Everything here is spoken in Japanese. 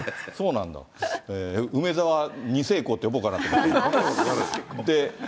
梅沢２世公って、呼ぼうかなと思って。